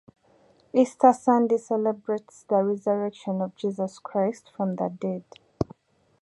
Easter Sunday celebrates the resurrection of Jesus Christ from the dead.